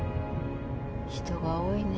人が多いね。